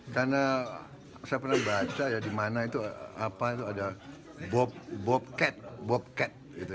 karena saya pernah baca ya di mana itu ada bobcat